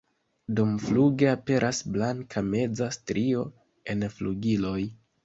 Dumfluge aperas blanka meza strio en flugiloj.